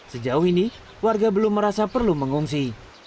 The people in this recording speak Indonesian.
sejauh ini warga belum merasa perlu mengungsi